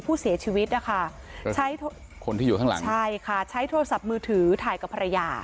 ผู้เสียชีวิตนะคะใช้โทรศัพท์มือถือถ่ายกับภรรยา